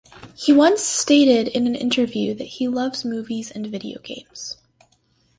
He once stated in an interview that he loves movies and video games.